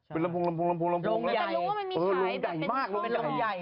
เป็นลำโพง